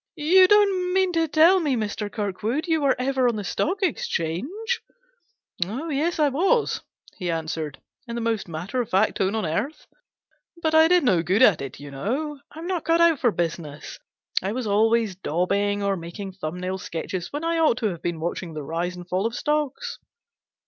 " You don't mean to tell me, Mr. Kirkwood, you were ever on the Stock Exchange ?"" Oh yes, I was," he answered, in the most matter of fact tone on earth. " But I did no good at it, you know; I'm not cut out for business. I was always daubing or making thumb nail sketches when I ought to have been watching the rise and fall of stocks.